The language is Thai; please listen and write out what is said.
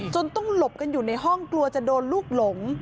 จนต้องหลบกันอยู่ในห้องกลัวจะโดนลูกหลง